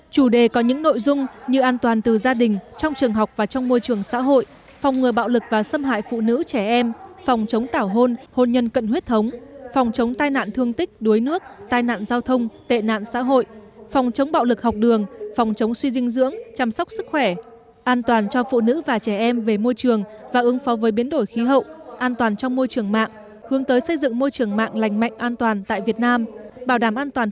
chủ đề có những nội dung như an toàn từ gia đình trong trường học và trong môi trường xã hội phòng người bạo lực và xâm hại phụ nữ trẻ em phòng chống tảo hôn hôn nhân cận huyết thống phòng chống tai nạn thương tích đuối nước tai nạn giao thông tệ nạn xã hội phòng chống bạo lực học đường phòng chống suy dinh dưỡng chăm sóc sức khỏe an toàn cho phụ nữ và trẻ em về môi trường và ứng phó với biến đổi khí hậu an toàn trong môi trường mạng hướng tới xây dựng môi trường mạng lành mạnh an toàn tại việt nam bảo đảm an to